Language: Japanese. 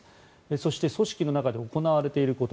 そして組織の中で行われていること